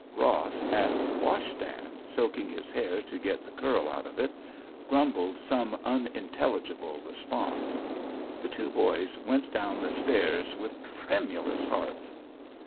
Ross, at the wash stand soaking his hair to get the curl out of it, grumbled some unintelligible response. The two boys went down the stairs with tremulous hearts.